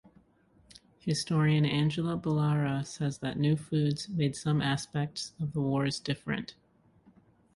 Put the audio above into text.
Historian Angela Ballara says that new foods made some aspects of the wars different.